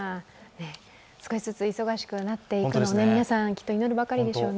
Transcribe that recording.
少しずつ忙しくなっていくことを皆さん祈るばかりでしょうね。